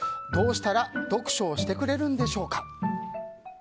どうしたら読書をしてくれるんでしょうか。